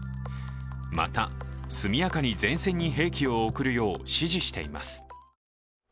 また速やかに前線に兵器を送るよう指示しています。